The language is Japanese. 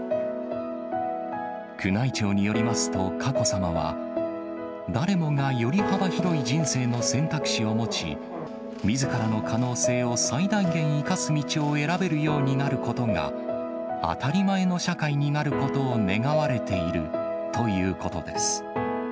宮内庁によりますと、佳子さまは、誰もがより幅広い人生の選択肢を持ち、みずからの可能性を最大限生かす道を選べるようになることが、当たり前の社会になることを願われているということです。